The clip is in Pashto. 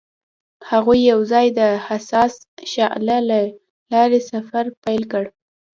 هغوی یوځای د حساس شعله له لارې سفر پیل کړ.